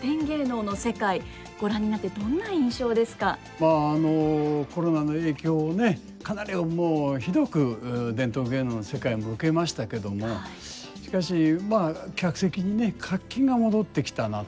まああのコロナの影響ねかなりひどく伝統芸能の世界も受けましたけどもしかしまあ客席にね活気が戻ってきたなと。